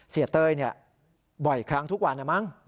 เซียเต้ยบ่อยครั้งทุกวัน